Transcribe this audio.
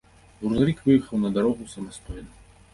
Грузавік выехаў на дарогу самастойна.